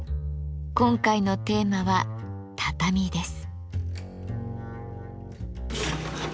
今回のテーマは「畳」です。